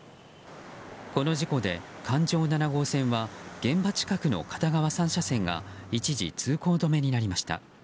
この事故で、環状７号線は現場近くの片側３車線が一時通行止めになりました。